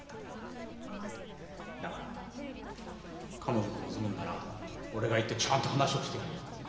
だから彼女が望むんなら俺が行ってちゃんと話をしてやるよ。